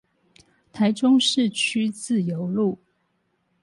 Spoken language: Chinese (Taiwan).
台中市區自由路